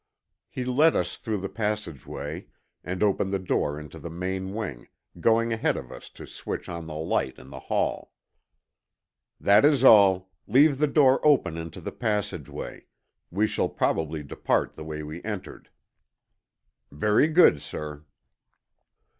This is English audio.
He led us through the passageway and opened the door into the main wing, going ahead of us to switch on the light in the hall. "That is all. Leave the door open into the passageway. We shall probably depart the way we entered." "Very good, sir."